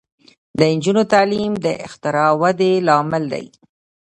د نجونو تعلیم د اختراع ودې لامل دی.